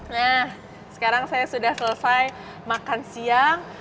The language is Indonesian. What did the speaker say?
nah sekarang saya sudah selesai makan siang